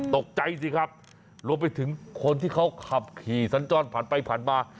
ตกใจสิครับรวมไปถึงคนที่เขาขับขี่สัญจรผ่านไปผ่านมา